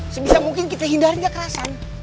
sebisa mungkin kita hindari kekerasan